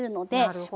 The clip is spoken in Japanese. なるほど。